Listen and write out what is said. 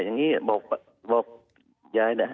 อย่างนี้บอกยายนะ